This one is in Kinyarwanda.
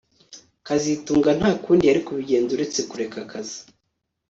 kazitunga nta kundi yari kubigenza uretse kureka akazi